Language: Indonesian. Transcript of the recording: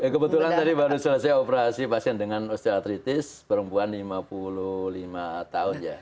kebetulan tadi baru selesai operasi pasien dengan osteoartritis perempuan lima puluh lima tahun ya